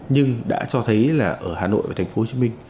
nhưng đã cho thấy là ở hà nội và tp hcm